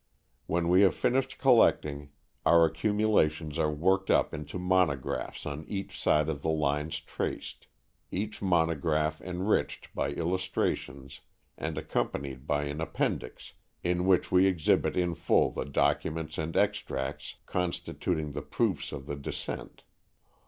When we have finished collecting, our accumulations are worked up into monographs on each one of the lines traced, each monograph enriched by illustrations and accompanied by an appendix in which we exhibit in full the documents and extracts constituting the proofs of the descent.